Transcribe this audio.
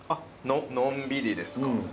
のんびりですか？